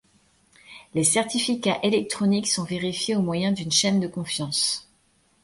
Les certificats électroniques sont vérifiés au moyen d'une chaîne de confiance.